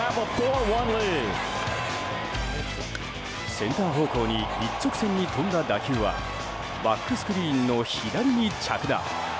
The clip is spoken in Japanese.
センター方向に一直線に飛んだ打球はバックスクリーンの左に着弾。